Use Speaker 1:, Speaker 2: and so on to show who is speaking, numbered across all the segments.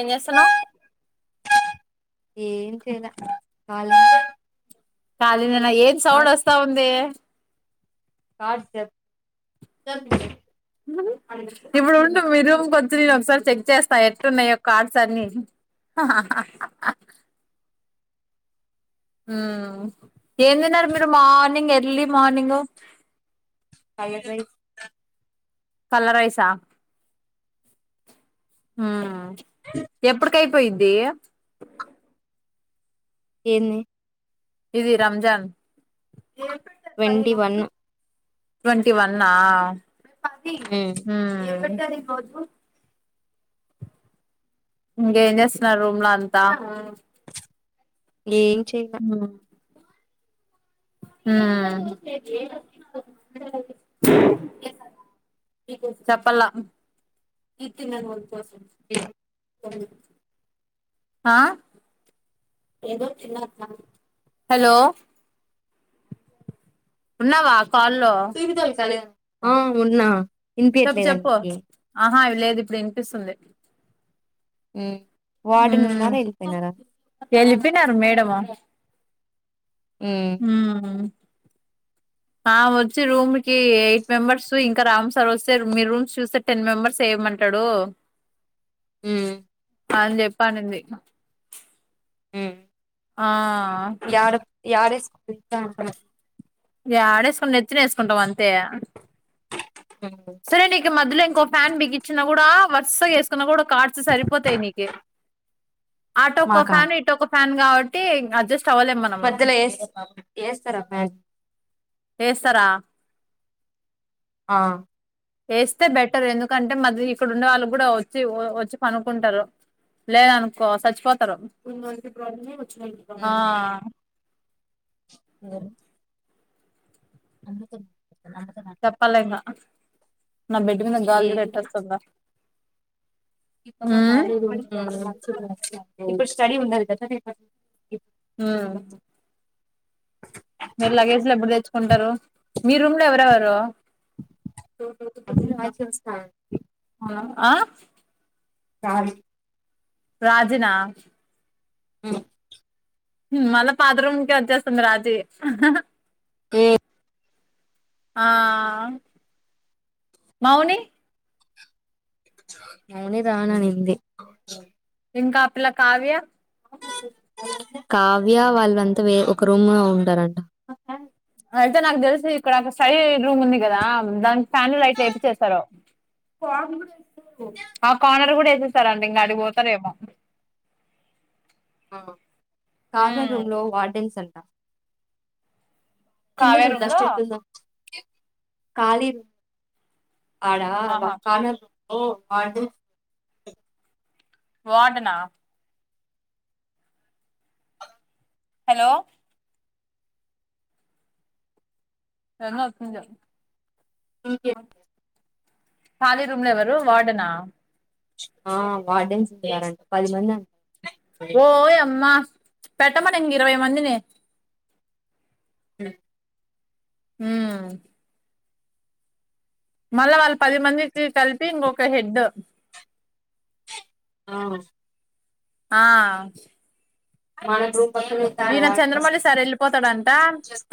Speaker 1: ఏం చేస్తానవ్
Speaker 2: ఏం చేయాల కాలీ
Speaker 1: కాలినేనా ఏంది సౌండ్ వస్తా ఉందే
Speaker 2: కాట్ జారుప్ జరుప్
Speaker 1: ఇప్పుడు ఉండు మీ రూమ్ కొచ్చి నేను ఒకసారి చెక్ చేస్తా ఎట్టునాయో కార్ట్స్ అన్ని మ్ ఏం తిన్నారు మీరు morning early morning
Speaker 2: tiger rice
Speaker 1: colour రైసా ఉమ్ ఎప్పుడుకై పోయిది
Speaker 2: ఏంది
Speaker 1: ఇది రంజాన్
Speaker 2: ట్వంటి వన్
Speaker 1: ట్వంటి వన్నా
Speaker 2: ఉమ్
Speaker 1: మ్ ఇంగేం చేస్తున్నారు రూమ్ లో అంతా
Speaker 2: ఏ
Speaker 1: ఉమ్ ఉమ్ చెప్పల్ల ఆ హలో ఉన్నావా కాల్లో
Speaker 2: ఆ ఉన్నా వినిపియట్లేదా నికి
Speaker 1: ఆ లేదు ఇప్పుడు వినిపిస్తుంది
Speaker 2: ఉమ్ వార్డెన్
Speaker 1: మ్
Speaker 2: ఉన్నారా వెళ్ళిపోయినారా
Speaker 1: ఎళ్ళిపోయినారు మేడము
Speaker 2: ఉమ్
Speaker 1: ఉమ్ ఆ వచ్చి రూమ్ కి ఎయిట్ మెంబర్స్ ఇంకా రామ్ సార్ వస్తే మీ రూమ్స్ చూస్తే టెన్ మెంబర్స్ ఏ ఏమంటడో
Speaker 2: ఉమ్
Speaker 1: అని చెప్పనింది
Speaker 2: ఉమ్
Speaker 1: ఆ ఆ
Speaker 2: యాడ [unintelligible]
Speaker 1: ఇగ యాడేసుకుంటం నెత్తిన ఏసుకుంటాం అంతే సరే నీకు ఈ మధ్యలో ఇంకో ఫ్యాన్ బిగించిన కూడా వరుసగా వేసుకున్నా కూడా కాట్స్ సరిపోతాయి నీకి అటోక
Speaker 2: మాకా
Speaker 1: ఫ్యాన్ ఇటోక ఫ్యాన్ కాబట్టి ఇంగ అడ్జస్ట్ అవ్వలేం మనము
Speaker 2: మధ్యలో ఏస్త ఏస్తార మా
Speaker 1: ఏస్తరా
Speaker 2: ఆ
Speaker 1: వేస్తే బెటర్ ఎందుకంటే మళ్లీ ఇక్కడ ఉండే వాళ్ళుకు కూడా వచ్చి వచ్చి పనుక్కుంటరు లేదనుకో సచ్చిపోతరు ఆ
Speaker 2: ఉమ్
Speaker 1: చెప్పాలింగ నా బెడ్ మీద గాలి
Speaker 2: ఏ
Speaker 1: జూడు ఎట్ట వస్తుందో
Speaker 2: ఇప్ప కాలేదు ఇప్పుడు స్టడీ ఉండాలి కదా
Speaker 1: ఆ మీరు లగేజ్ లు ఎప్పుడు తెచ్చుకుంటరు మీ రూమ్ ల ఎవరెవరు ఆ
Speaker 2: [unintelligible]
Speaker 1: రాజీనా
Speaker 2: ఉమ్మ్
Speaker 1: ఉమ్ మళ్ళా పాత రూమ్ కే వచ్చేస్తుంది రాజీ
Speaker 2: మ్మ్
Speaker 1: ఆ మౌని
Speaker 2: మౌని రాననింది
Speaker 1: ఇంకా ఆ పిల్ల కావ్య
Speaker 2: కావ్య వాళ్ళంతా వే ఒక రూమ్ లో ఉండరంట
Speaker 1: అయితే నాకు తెలుసి ఇక్కడ స్టడీ రూమ్ ఉంది కదా దానికి ఫ్యాన్లు లైట్లు ఏపిచ్చేస్తారు ఆ కార్నర్ గుడ వేసేసారండి ఇంగ అడిగిపోతరేమో
Speaker 2: కార్నర్
Speaker 1: ఉమ్
Speaker 2: రూమ్ లో వార్డెన్స్ కి కింద
Speaker 1: కావ్య
Speaker 2: చూడు
Speaker 1: రూమ్ లో
Speaker 2: డస్ట్ ఎట్ల ఉందో కాలి ఆడ వ
Speaker 1: ఆహా
Speaker 2: కార్నర్ లో వాడు
Speaker 1: వార్డెనా హలో [unintelligible] వస్తుంది
Speaker 2: [inaudible]
Speaker 1: కాలి రూమ్ లో ఎవరు వార్డెనా
Speaker 2: ఆ వార్డెన్స్ చేయాలంట పది మంది అంట
Speaker 1: ఓయ్ అమ్మా పెట్టమను ఇంక ఇరవై మందిని ఉమ్ మళ్ళా వాళ్ళ పది మందికి కలిపి ఇంకొక హెడ్
Speaker 2: ఆహ్
Speaker 1: ఆ
Speaker 2: మన
Speaker 1: ఈయన చంద్రమౌళి సార్ వెళ్ళిపోతాడంట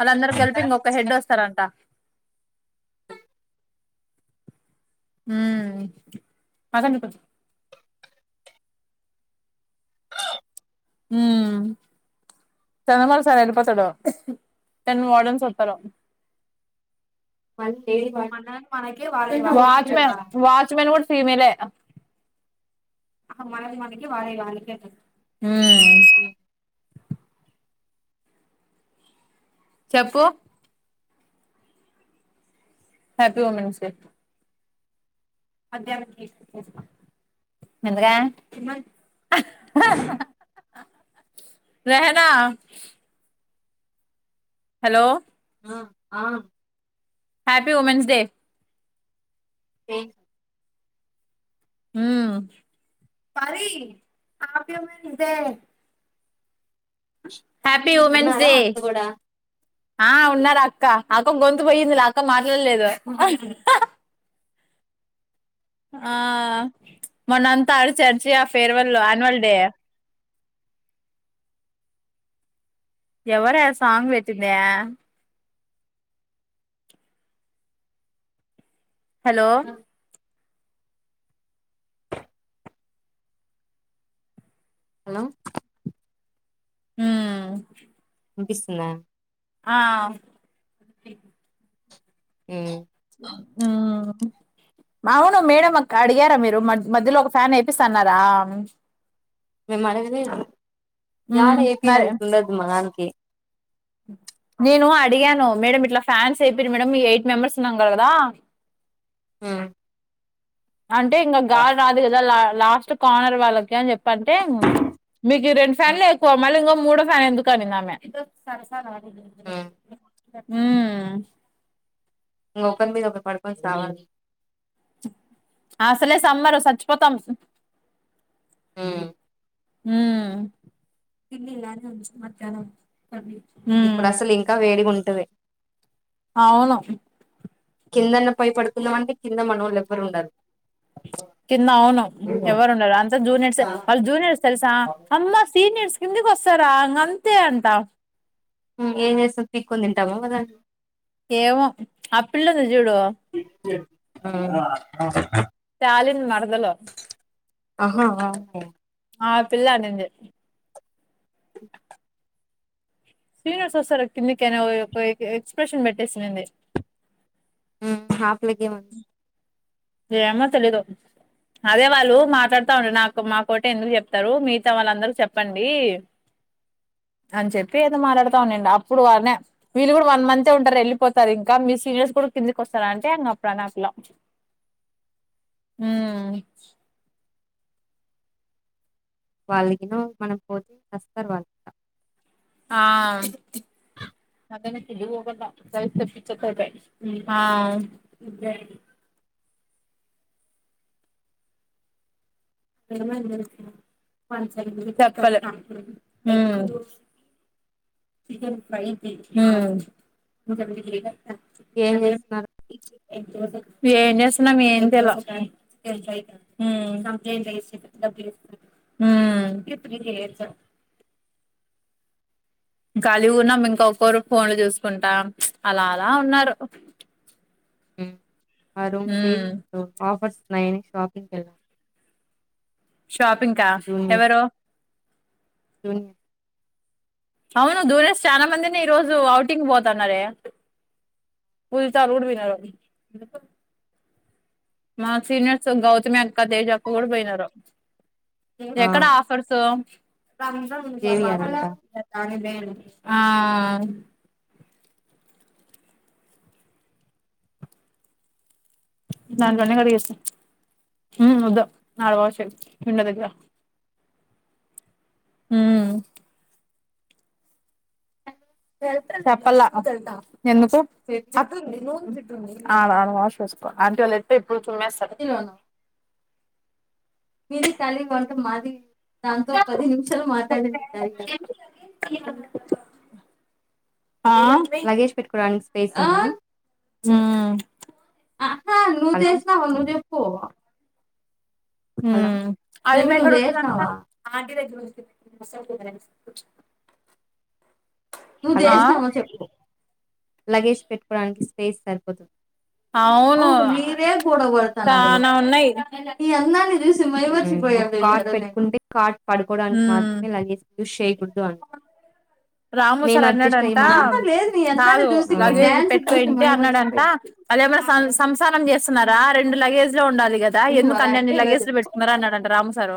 Speaker 1: వాళ్ళందరూ కలిపి ఇంకొక హెడ్ వస్తారంట
Speaker 2: [inaudible]
Speaker 1: ఉమ్మ్ పదండి ఉమ్మ్ [unintelligible] కానీ వార్డెన్స్ ఉంటరు
Speaker 2: మళ్ళీ లేడీ వార్డెన్స్
Speaker 1: మానయే మనకి వాళ్ళై వాళ్లకి వాచ్మెన్ వాచ్మెన్ కూడా ఫీమేల్ ఆహ్ మనది మనకే వాళ్ళది వాళ్ళకే కదా హు చెప్పు హ్యాపీ మూమెంట్స్ చెప్పు అద్దాలకి బీడ్స్ ఎస్తా ముందుగా [unintelligible] రేహనా హలో
Speaker 2: ఆ ఆ
Speaker 1: హ్యాపీ ఉమెన్స్ డే
Speaker 2: ఏ
Speaker 1: హు పారి పార్కులో కూడా నీవే హ్యాపీ ఉమెన్స్
Speaker 2: ఉన్నారా
Speaker 1: డే
Speaker 2: అక్క కూడా
Speaker 1: ఆ ఉన్నారు అక్క అక్క గొంతు పోయిందిరా అక్క మాట్లాడలేదు ఆ మొన్న అంతా అరిచి అరిచి ఆ ఫేర్వెల్ లో ఆన్యువల్ డే ఎవరే ఆ సాంగ్ పెట్టింది హలో
Speaker 2: హలో
Speaker 1: హు
Speaker 2: వినిపిస్తుందా
Speaker 1: ఆ [inaudible]
Speaker 2: హు
Speaker 1: ఆహా అవును మేడం అక్క అడిగారా మీరు మధ్యలో ఒక ఫ్యాన్ ఏపిస్తా అన్నారా
Speaker 2: మేము అడగలేదు ఏడ
Speaker 1: హ్మ్
Speaker 2: ఏపీయడానికి ఉండదు మా దానికి
Speaker 1: హ నేను అడిగాను మేడమ్ ఇట్లా ఫ్యాన్స్ ఎయ్యాపియిరి మేడమ్ ఎయిట్ మెంబెర్స్ ఉన్నాం కదా
Speaker 2: హు
Speaker 1: అంటే ఇంగ గాలి రాదు కదా లాస్ట్ కార్నర్ వాళ్ళకి అని చెప్ అంటే మీకు రెండు ఫ్యాన్లే ఎక్కువ మళ్ళీ ఇంగ మూడో ఫ్యాన్ ఎందుకు అనింది ఆమె
Speaker 2: హు
Speaker 1: ఉహు
Speaker 2: ఇగ ఒకరి మీద ఒకరు పడుకొని సావాలి
Speaker 1: అసలే సమ్మర్ రు సచ్చిపోతాం
Speaker 2: ఉహు
Speaker 1: హు కిందిదిగానీ మధ్యాహ్నం ప
Speaker 2: ఇప్పుడు అసలు ఇంకా వేడిగా ఉంటది
Speaker 1: అవును
Speaker 2: కిందన్న పోయి పడుకుందామా అంటే కింద మనోళ్లు ఎవ్వరు ఉండరు
Speaker 1: కింద అవును ఎవరు ఉండరు అంత జూనియర్స్ ఏ వాళ్ళు జూనియర్స్ తెలుసా అమ్మా సీనియర్స్ ఎందుకు కోస్తారా ఇంగ అంతే అంట
Speaker 2: హు ఏం చేస్త పీకోని తింటాము ఒకదాన్ని
Speaker 1: ఏవో ఆ పిల్ల ఉంది చూడు
Speaker 2: ఆ
Speaker 1: షాలిన్ మరదలు
Speaker 2: ఆహా ఆ వో
Speaker 1: ఆ పిల్ల అనింది సీనియర్స్ వస్తారు కిందికి అని ఒక ఎ ఎక్స్ప్రెషన్ పెట్టేసింది
Speaker 2: హు ఆ పిల్లకి ఏమైంది
Speaker 1: ఏమో తెలిదు అదే వాళ్ళు మాట్లాడుతాండి నాకు మా కోటే ఎందుకు చెప్తారు మిగతా వాళ్ళందరికి చెప్పండి.
Speaker 2: [unintelligible]
Speaker 1: అని చెప్పి ఏదో మాట్లాడతా ఉనండి అప్పుడు వాళ్నే వీళ్ళు కూడా వన్ మంత్ ఉంటారు. వెళ్ళిపోతారు ఇంకా మీ సీనియర్స్ కూడా కిందకి వస్తార అంటే అం అప్పుడ నాకులా
Speaker 2: వాళ్ళకిినో మనకు పోతే వస్తారు వాళ్ళ
Speaker 1: అం ఆ
Speaker 2: [unintelligible]
Speaker 1: [unintelligible] తెపలే ఉ చికెన్ ఫ్రై ఉ
Speaker 2: ఇంకా ఏం చేస్తున్నారు,
Speaker 1: ఏం చేస్తున్నం ఏ తెలా ఉ ఉ
Speaker 2: [unintelligible]
Speaker 1: కాలిగ ఉన్నాం ఇంక ఒక్కరు ఫోన్లు చూసుకుంటా అలా అలా ఉన్నారు.
Speaker 2: [unintelligible] మా రూమ్
Speaker 1: ఉమ్
Speaker 2: టిమ్స్ ఆఫర్స్ ఉన్నాయని షాపింగ్ వెళ్తున్నాము.
Speaker 1: షాపింగ్కా ఎవరు
Speaker 2: ఫె
Speaker 1: అవును దూరేసి చాలా మందిని ఈ రోజు అఔటింగ్ పోతున్నారే, పూజిత వాళ్ళు కూడా వినరు, మా సీనియర్స్ గౌతమి అక్క తేజ అక్క కూడా పోయినారు,
Speaker 2: ఆ
Speaker 1: ఎక్కడ ఆఫర్సు
Speaker 2: జేవియర్ అంట
Speaker 1: ఆ దంట్లో నే కడిగేస్తా, ఉ వద్దు నాలు భాషం విన్న దగ ఉ చెప్పలే ఎందుకు అలాను వాష్ వేసుకో ఆంటీ వాళ్ళు ఎ ఎప్పుడు చుమేస్తారు.
Speaker 2: లోన మీది ఖాళీ వంట మాది దాంతో పది నిమిషాలు మాట్లాడండి కార్య
Speaker 1: [unintelligible]
Speaker 2: లగేజ్ పెట్టుకోవడానికి స్పేస్
Speaker 1: ఊ
Speaker 2: ఆహా నువ్వు చేసినవు నువ్వు చెప్పు,
Speaker 1: ఉ
Speaker 2: హలో బేబీ
Speaker 1: అమ్మాయి అక్కడ
Speaker 2: నువ్వు
Speaker 1: ఉంటదంట,
Speaker 2: చేసినావా
Speaker 1: [unintelligible]
Speaker 2: నువ్వు
Speaker 1: ఆ
Speaker 2: చేసామో చెప్పు లగేజ్ పెట్టుకోవడానికి స్పేస్ సరిపోతుంది. అవును మీరే పోడ కొడుతున్నారు,
Speaker 1: చానా ఉన్నాయి
Speaker 2: ఈ అందాన్ని చూసి మై మర్చి పోయాము, పడుకోవడానికి మాత్రమే
Speaker 1: ఉమ్
Speaker 2: లగేజ్ పుష్ చెయ్యకూడదు,
Speaker 1: రాము సార్ అన్నాడంట
Speaker 2: అందాన్ని
Speaker 1: కాదు
Speaker 2: చూసి నీ ఆ.
Speaker 1: లగేజ్
Speaker 2: డాన్స్
Speaker 1: పెట్టుకో
Speaker 2: చూసి
Speaker 1: ఏంటి అన్నాడంట
Speaker 2: మైమర్చిపోయాను
Speaker 1: అదేమన్నా సంసారం చేస్తున్నారా, రెండు లగేజ్ లో ఉండాలి కదా
Speaker 2: నువ్వు
Speaker 1: ఎందుకు
Speaker 2: అలా
Speaker 1: అన్ని అన్ని
Speaker 2: అంటే ఎలా
Speaker 1: లగేజీలు
Speaker 2: చెప్పు
Speaker 1: పెట్టుకున్నన్నారు అన్నాడంట రామ్ సారు,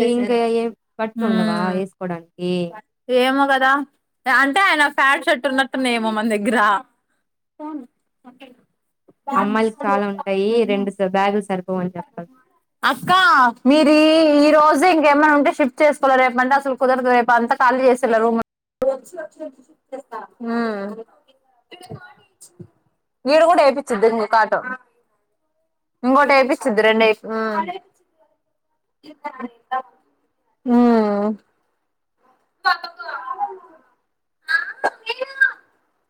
Speaker 2: రి ఇంకా ఏ బట్టలు ఉండవా
Speaker 1: మ్మ్
Speaker 2: వేసుకోవడానికి,
Speaker 1: ఏమో కదా అంటే ఆయన ప్యాంట్ షర్ట్ ఉన్నట్టున్నా ఏమో మన దగ్గర
Speaker 2: అమ్మాయికి చాలా ఉంటాయి రెండు స బ్యాగులు సరిపో అని చెప్తా,
Speaker 1: అక్కా మీరు ఈ రోజు ఇంకేమైనా ఉంటే షిఫ్ట్ చేసుకోవాల రేపు అంటే అసలు కుదరదు రేపు అంతా కాల్ చేసిన్నాము [unintelligible] హ్మ్మ్ వీడ కూడా వేపిన్చ్చద్దింగ కాటో ఇంకోటి ఎపించద్దు రెండు ఉమ్ హ్మ్మ్ బ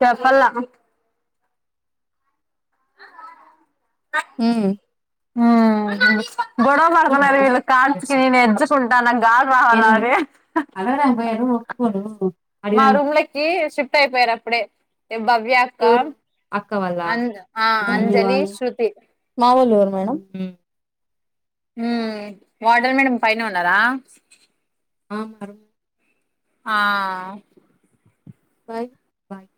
Speaker 1: చెప్పల్ల
Speaker 2: హ్మ్మ్
Speaker 1: ఉమ్ గొడవ పడుతున్నారు వీళ్ళు కార్చుకి నేను ఎడ్జుకుంటాను గాలి
Speaker 2: ఏంటి
Speaker 1: రావాలా
Speaker 2: అన్ మేడం?
Speaker 1: అని
Speaker 2: అడగడానికి [inaudible]
Speaker 1: మా
Speaker 2: పోయారా?
Speaker 1: రూంలోకి షిఫ్ట్ అయిపోయారు అప్పుడే భవ్య అక్క
Speaker 2: ఎవరు? అక్క వాళ్ళా?
Speaker 1: అ ఆ అంజలి
Speaker 2: హ్మ్.
Speaker 1: శ్రృతి
Speaker 2: మా వోళ్ళెవరు మేడం ఉమ్
Speaker 1: హ్మ్మ్ వార్డెన్ మేడం పైన ఉన్నారా
Speaker 2: ఆ మేడం
Speaker 1: ఆ
Speaker 2: బాయ్ బాయ్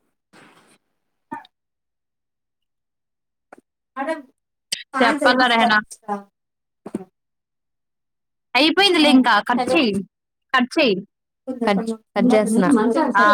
Speaker 2: మేడం కాల్
Speaker 1: చెప్పాల
Speaker 2: చేపిస్తారా
Speaker 1: రెహనా
Speaker 2: ఇక్కడ
Speaker 1: అయిపోయింది లే ఇంకా కట్ చెయ్ కట్ చెయ్
Speaker 2: కట్ కట్చేస్తున్న
Speaker 1: ఆ